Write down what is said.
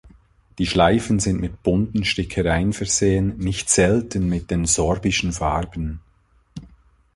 Die Schleifen sind mit bunten Stickereien versehen, nicht selten mit den sorbischen Farben.